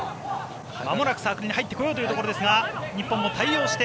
まもなくサークルに入ってこようかというところですが日本も対応して。